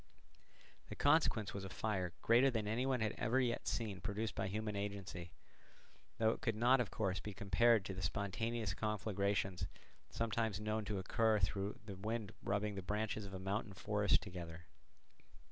The consequence was a fire greater than any one had ever yet seen produced by human agency, though it could not of course be compared to the spontaneous conflagrations sometimes known to occur through the wind rubbing the branches of a mountain forest together.